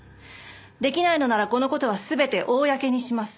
できないのならこの事は全て公にします。